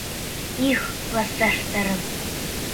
Их, класташтарым!